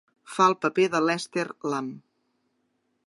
Fa el paper de Lester Lamb.